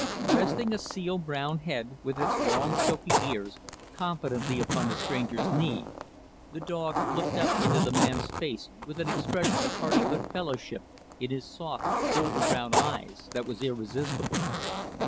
Resting a seal brown head, with its long silky ears, confidently upon the stranger's knee, the dog looked up into the man's face with an expression of hearty good fellowship in his soft, golden brown eyes that was irresistible.